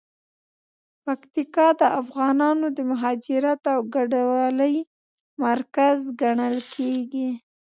پکتیکا د افغانانو د مهاجرت او کډوالۍ مرکز ګڼل کیږي.